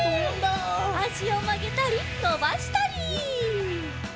あしをまげたりのばしたり！